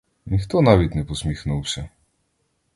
Ніхто навіть не посміхнувся.